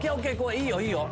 いいよいいよ。